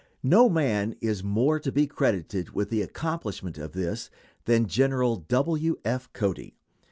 No man is more to be credited with the accomplishment of this than Gen. W. F. Cody.